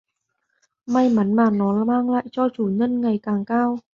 May mắn mà nó mang lại cho chủ nhân ngày càng cao